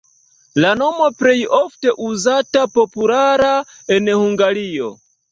La nomo plej ofte uzata, populara en Hungario.